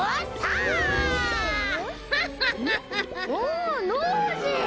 あノージー。